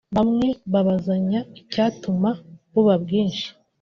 Bamwe babazanya icyatuma buba bwinshi